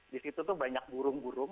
di situ tuh banyak burung burung